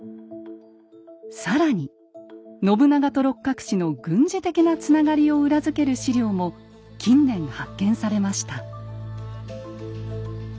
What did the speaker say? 更に信長と六角氏の軍事的なつながりを裏付ける史料も近年発見されました。